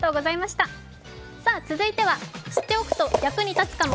続いては知っておくと役に立つかも。